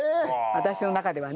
私の中ではね。